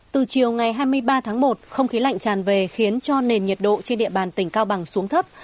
từ chiều ngày hai mươi ba tháng một không khí lạnh tràn về khiến cho nền nhiệt độ trên địa bàn tỉnh cao bằng xuống thấp